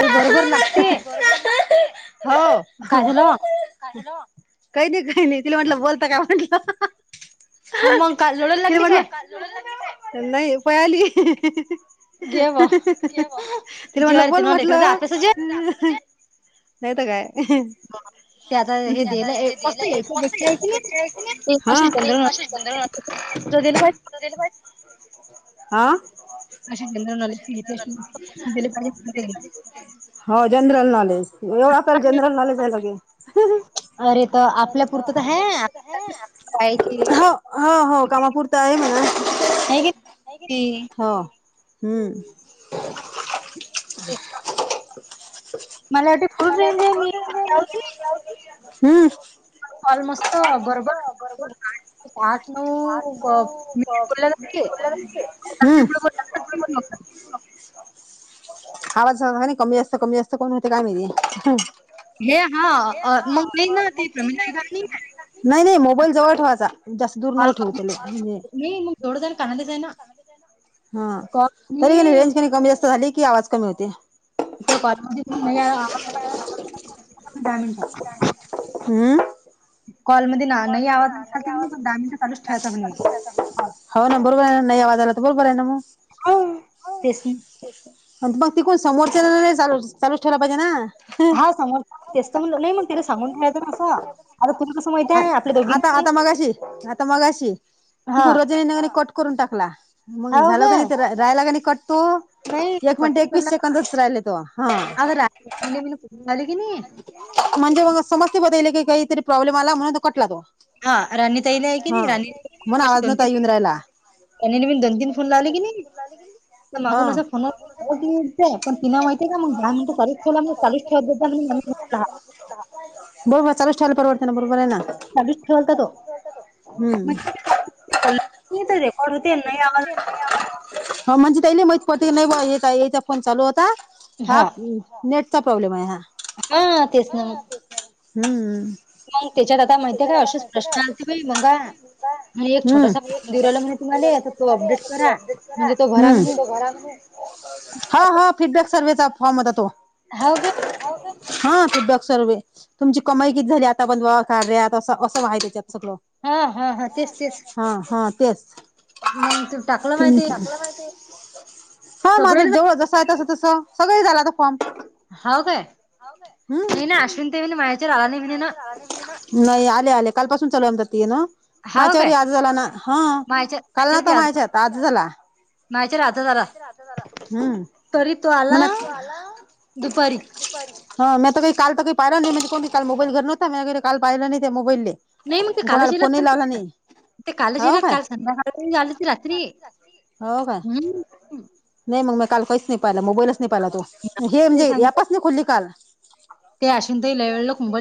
अल बरोबर लागतीय? [inaudible] हो, हॅलो काई नाई काई नाई, तिला म्हटलं ह्ह बोलता काय म्हटलं, अअहह ह्ह तिला म्हटलं काल नाई पळाली. इही हीहीही ह्ह्ह्हह्ह तिला म्हणलं बोल म्हट अह्हह, नायतं काय? अह्ह [inaudible] हा, [unintelligible] [inaudible] आ? अशी [unintelligible] हो, जनरल नॉलेज एवढं आपल्याला जनरल नॉलेज हाय लगे, हह [unintelligible] आपल्यापुरतं तं हाय. [inaudible] हो, हो हो कामापुरतं आहे म्हणा. [unintelligible] हो, हम्म. [unintelligible] [inaudible] हं फॉल मस्त, बरोबर आठ न आठ नऊ क मंजे [unintelligible] [unintelligible] त [unintelligible] कमी असतं कमी असतं [unintelligible] काय मायती? ए, हाँ, [unintelligible] नाही नाही मोबाईल जवळ ठेवायचा. जास्त दूर नगो ठिऊ त्याला हं म् [unintelligible] हा कधी तरी रेंज कमी जास्त झाली की आवाज कमी होते. त्या कॉ [unintelligible] हम्म. कॉलमध्ये नाही आवाज आलत तरी दहा मिनिटं चालूच ठेवायचा म्हणे. हो ना बरोबर आहे ना नाही आवाजाला तर बरोबर आहे ना मग. तेसन. पण तिकुण समोरच्यान चालूच ठेवला पाहिजे ना? हा समोरच्यान तेच म्हटलं नाही मग त्याले सांगून ठेळायचं ना असं. आता, आता मगाशी, आता मगाशी तिकून रंजनी न कट करून टाकला मग झाला का नाही राहाला का नाही कट तो? एक मिनिटे एकवीस सेकंदच राहिले तोवा हा. ले मठून [unintelligible] आले की नाही. म्हणजे मग समजते बो त्यायले की काहीतरी प्रॉब्लेम आला म्हणून तो कटला बो. हा राणी ताई ले आहे कि नाही राणी ताई पाशी दोन, तीन त्यांयले मीन दोन, तीन फोन लावले की नाही तर मागून असा फोनवर आवाज नाही येत जाय, पण तिन माहितीय का मग दहा मिट चालुच ठेवला मग चालुच ठेवत जातजाय म्हणे मले मी म्हटलं हा. बरोबर चालुच ठेवायला परवडतेना बरोबर आहे ना. चालूच ठेवलता तो म्हणजे [unintelligible] रेकॉर्ड होते नाही आवाज [unintelligible] हो म्हणजे त्याले माहित पते की नाही बा ये याचा फोन चालू होता हा नेट चा प्रॉब्लेम आहे हा. हा, तेसना मग. हम्म. [unintelligible] हम्म. दिराला म्हणे तो अपडेट करा तीथ भरा म्हणे, हम्म. हा हा फीडबॅक सर्वेहेचा फॉर्म होता तो. हाव काय? हा फीडबॅक सर्वे तुमची कमाई किती झाली आता पण कार्या ऍप आता अस, असं हाय त्याच्यात सगळ. हा हा हा तेच, तेच. हां हां तेच [inaudible] थक्य [unintelligible] हा माझं जवढ जसं आहे तसं, तस सगळे [unintelligible] झालाय तो फॉर्म. हाव काय. हम्म, [unintelligible] नाही आले, आले कालपासून चालू आहे म्हणतात येन. मायाच्यावर ही आजच आला ना हा काल नव्हता मायाच्यात आज झाला. मायाच्यावर आज आ मा राहता जरा हम्म मक् आला [unintelligible] ह म्यात काही काल तर काही पाहिला नाही म्हणे कोणी काल मोबाईल घरी नव्हता म्या का काल पाहिला नाही त्या मोबाईलले. नाही मग ते कालच येलात म्ह [unintelligible] ना ते कालच येलात काल संध्याकाळ आले ते रात्री. हो काय. नाही मग मी काल काहीच नाही पाहिला मोबाईलच नाही पाहिला तो हे म्हणजे ऍपच नाही खोलली काल. ते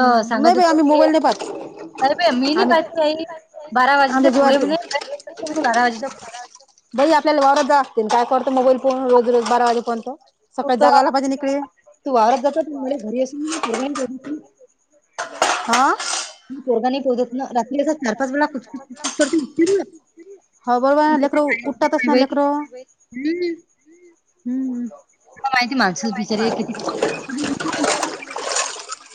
[inaudible] नाही बाई आम्ही मोबाईल नाही पाहत. नाही बाई मी नाही पाहत काही बारा वाजेच्या पुढे म्हणे बारा वाजेच्या बाई आपल्याला वावरात जा लागते काय करतं मोबाईल पाहुण रोज, रोज बारा वाजेपर्यंत. हो तू [unintelligible] वावरत जात मला घरी असे पूर्ण घरी [unintelligible] हा. म पोरगा नाही करुदेतना रात्री असा चा, र पाच वेळा कुच, कुच करते हो बाबा लेकर उट उठतातच ना लेकर, हम्म. हो आईकना चल बिचारी एक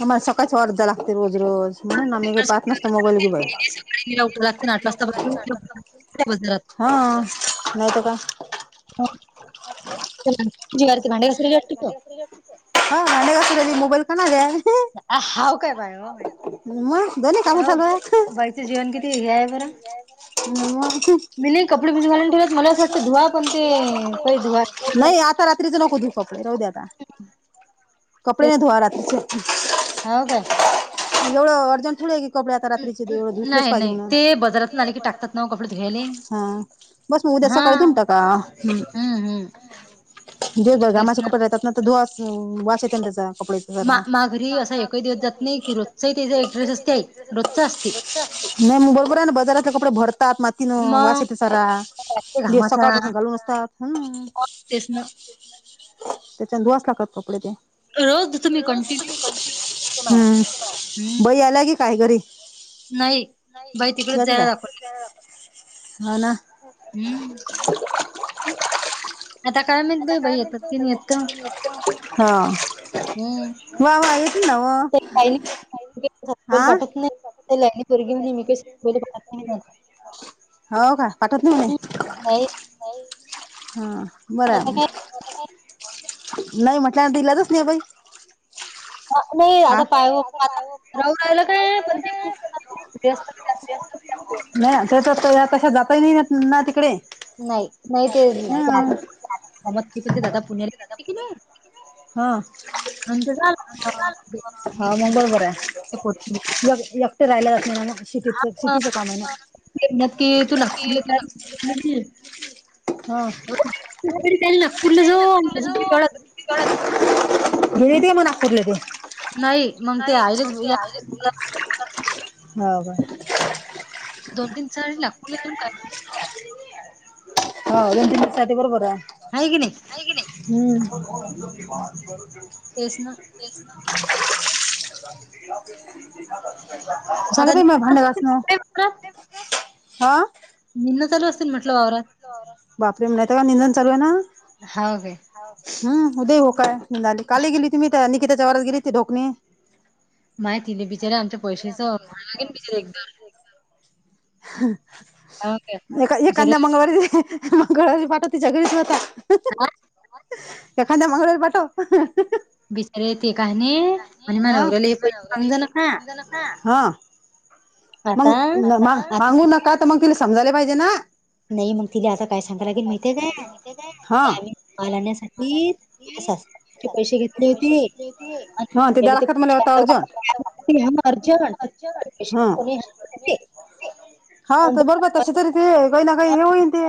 आम्हाला सकाळीच ऑर्डर द्या लागते रोज, रोज. म्हणुन आम्ही पाहत नसतो मोबाईल, बिबाईल आणि उठा लागते ना आठ वाजतापासून [unintelligible] बाजारात. हा, नाहीत काय. [inaudible] [unintelligible] क्लियर. [unintelligible] हा भांडे घसुन राहिली मोबाईल पण आहे गळ्यात हाव काय पायव माय हो बाईचं जीवन किती हे आहे बरं. मग... कपडे धुवायले मले अस वाटले धुवा पण ते, नाही आत आता रात्रीच नको धु कपडे राहुदे आता कपडे नाही धोवा रात्रीचे. एवढं अर्जंट थोडी आहे काही. कपडे आता रात्रीचे एवढ धुतलेच पाहिजे म्हणून, हा. बस मग उद्या सकाळी दुध टाका, हम्म. दिवस भर घामाचे कपडे राहतात ना तर धुवास वास येत ना त्याचा कपडे मागरी अस नाही [unintelligible] नाही म बरोबर आहे ना बाजारातले कपडे भरतात मातीनं वास येते सारा. दि सकाळपासून घालून असता, हम्म. मग तेच ना त्यांच्या धुवास लागतात कपडे ते. हम्म, बई आल्या की काय घरी? नाही जाऊदे ना. हा ना. हम्म. [inaudible] आता काय माहित बई बाई येतात [inaudible] हा. वा वा येतनी व. पाठत नाही लायनी पोरगी म्हणे काही [unintelligible] हो का पाठत नाही म्हणे? नाही, हा बर हाय मग. नाही म्हटल्यान इलाजच नाही बई. ह [inaudible] हा आता पायव [unintelligible] नाही त्याच्या तशा जाताय नाही ना तिकडे. नाही, नाही ते आम [unintelligible] पण ते दादा पुण्याला की नाही. हा. अनंत झाला म.. हा मग बरोबर हाय. एक एकटे राहिला जात नाहीना मग शेतीच, शेतीच काम आहे ना. ते म्हणत की तू नागपूर जाय [unintelligible] हो तुझकडे जाल [unintelligible] नागपूरला जो [unintelligible] भे येती का मग नागपूरले तू? नाही नाही मग ते आईले [unintelligible] ह बा दोन तीन चाळी नागपूरला देवून काय हा दोन-तीन साठी बरोबर आहे. हाय की नई हूं.. तेच ना चालू दे मग भांडी घासनं.. हा निनचा रस बापरे! नाही तर का निदंन चालू आहे ना? हू.. उदय हो काय झाली काली गेली ती मी त्या निकिताच्या वावरात गेली ती ढोकनी. माय तिने बिचारे आमच्या पैशाचं म्हणा लागेन बिचारे एकदार. एका एखाद्या मंगळवारी मंगळवारी पाठव तिच्या घरीच वता. एखाद्या मंगळवारी पाठव. काय नाही आणि हं नव्याला पै सगलं का. हां. मंग मागू नका तर मग तिला समजाले पाहिजे ना. नाही मग ति आता काहीच आहे ह. घी माजे पैशे घेतले होते ह ते दलाखत मध्ये होता अर्जं. हं. हा तर बरोबर तसे तरी ते काही ना काही हे होईन ते.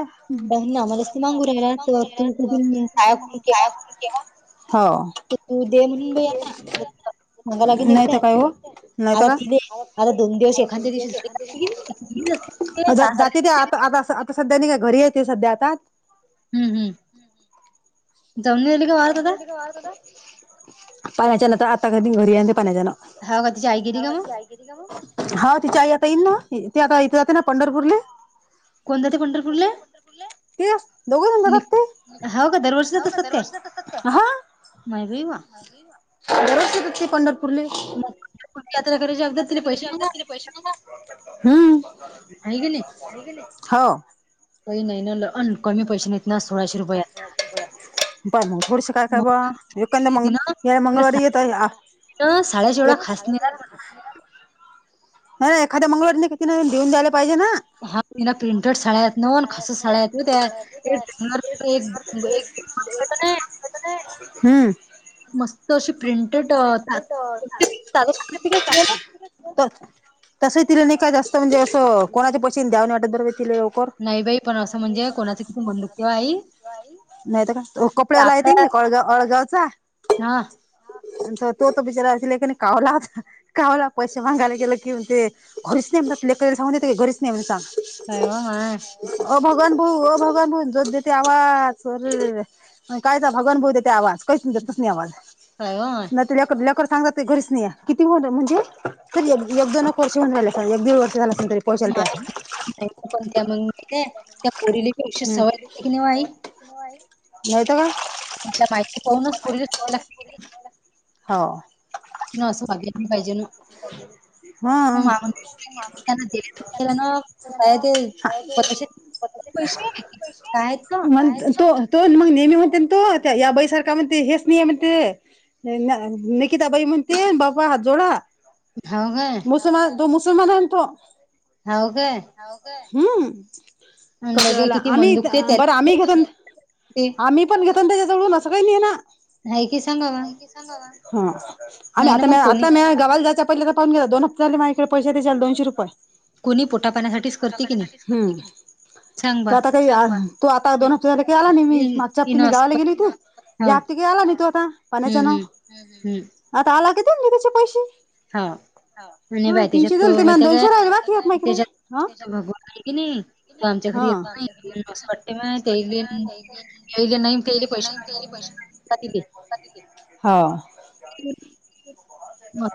[unintelligible] हो तू दे म्हण बई आता सांगा लागे न एकदा आता ति देल दोन दिवस एखांदया दिवशी अजच जाते ते आता, आता -आता सध्या नाही का घरी येत सध्या आता. हू.. हू.. [unintelligible] पाण्याच्यानं तर आता कधीही घरी येते पाण्याच्याना. हाऊ का तिच्या आई गेली का मग.? हाव तिची आई आता येईल ना, ते आता इथे जाते ना पंढरपूरले. [unintelligible] पंढरपूरले ते काय दोघंजण जातात ते. हाव का दरवर्षी हाव का दरवर्षी जातात? हां दरवर्षी जातात ते पंढरपूरले. [inaudible] यात्रा करायच्या अगदात ति पैसे न हम्म. हो. काही नाहीन ल [unintelligible] बा मग घोडस काय काय बा. योकंद मंग ह मंगळवारी येतय या. साडेशेवढा खास नाही राहात. हं एखाद्या मंगळवारी नाई का तीला देऊन जायला पाहिजे ना. हा प्रिंटेड शाळ्यात नन [unintelligible] हुं.. खास. मगत प्रिंटेड. [unintelligible] त तसही तिले नाही का जास्त म्हणजे असं कोणाच्या पशीने द्यावने वाटत बर तिले लौकर. नाही बाई पण असं म्हणजे कोणाचं किती [unintelligible] नाहीत का त कपड्याला यतील कळगाव अळगावचा. तो त बिचारा अस कावला आज. कावला पैसे मांगायला गेले की ते घरीच नाही म्हणते लेकराला सांगून देत घरीच नाही म्हणून सांग खर व माय ओ भगवान भाऊ ओ भगवान भाऊ जोच देते आवाज अरर कायचा भगवान भाऊ देते आवाज काहीच नाही देतच नाही आवाज. लेकर लेकर सांगतात घरीच नाही किती मुल आहे म्हणजे. तरी एक दोन वर्ष होऊन झाले असतील एकग दीड वर्ष झाला स माझ मा पण त्या मग त्या पोरीलीची अशी सवय की नाही व आई. नाही तर काय. एकदा माहिती पाहूनच पोरीला सांगा लागते की नाही. हो. हा. पण काय ते. पैसे आहेत का. तो तो मग नेहमी म्हणते ना तो त्या या बईसारखा म्हणते हेच नाही म्हणते. निकिताबाई म्हणते बाबा हात जोडा. हो काय मुसलमान मुसलमान आहे तो हो काय हो काय हम्म कसला आम्ही बर आम्ही घ आम्ही पण घेतो त्याच्या जवळून असं काही नाही ना नाही की सांगा बा हा आम्ही आता आता मी गावाला जायच्या पहिले पहिले आता पाहुन घे दोन हप्ते झाले माझ्याकडे पैसे आहे दोनशे रुपये कोणी पोटापाण्यासाठीच हम्म ते आता काही तो आता दोन हप्ते झाले काही आला नाही मी मागच्या हफ्ती मी गावाला गेली होती या हप्ती काही आला नाही तो आता पाण्याच्यान आता आला की देऊन देईल याचे पैसे हा तीनशे झालते मा दोनशे राहिले बाकी आता माईकडे ह की नाही तो आमच्या घरी येत नाही अस वाटते माय तेईले नाही तेईले पैसे मि [unintelligible] म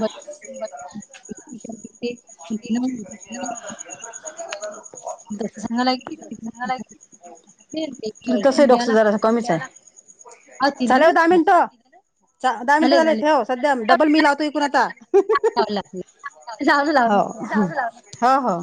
बर [inaudible] तस सांगाला द्याला कमी च आहे आत दे ना दहा मिनटं झालेत ठेव सध्या डबल मी लावतो इकुन आता लाव लाव जाऊ लाव ना लावजो लावजो हो हो